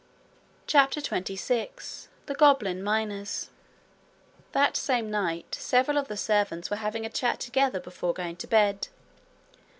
CHAPTER 26 The Goblin Miners That same night several of the servants were having a chat together before going to bed.